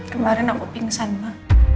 kemarin aku pingsan ma